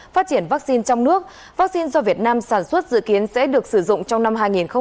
phát triển vaccine trong nước vaccine do việt nam sản xuất dự kiến sẽ được sử dụng trong năm hai nghìn hai mươi